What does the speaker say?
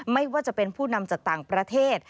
ไม่ว่าจะเป็นผู้นำจากต่างประเทศ